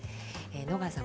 野川さん